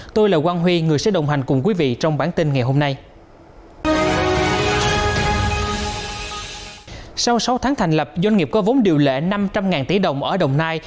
tôi là quang huy người sẽ đồng hành cùng quý vị trong bản tin ngày hôm nay